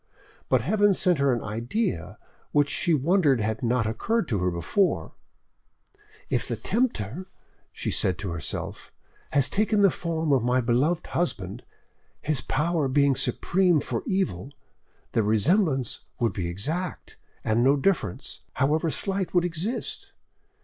But Heaven sent her an idea which she wondered had not occurred to her sooner. "If the Tempter," she said to herself, "has taken the form of my beloved husband, his power being supreme for evil, the resemblance would be exact, and no difference, however slight, would exist.